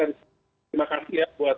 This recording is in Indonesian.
terima kasih ya buat